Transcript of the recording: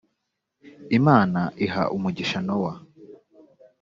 imana iha umugisha nowa